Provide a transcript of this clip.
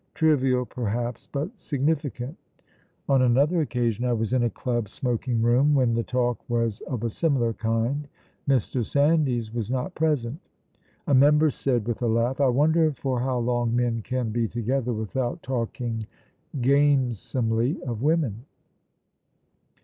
Trivial, perhaps, but significant. On another occasion I was in a club smoking room when the talk was of a similar kind. Mr. Sandys was not present. A member said, with a laugh, 'I wonder for how long men can be together without talking gamesomely of women?'